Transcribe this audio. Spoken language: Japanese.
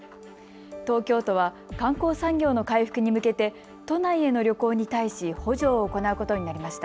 東京都は観光産業の回復に向けて都内への旅行に対し補助を行うことになりました。